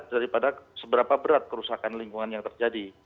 daripada seberapa berat kerusakan lingkungan yang terjadi